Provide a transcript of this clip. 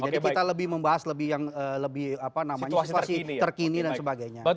jadi kita lebih membahas lebih yang apa namanya situasi terkini dan sebagainya